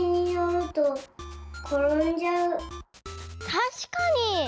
たしかに！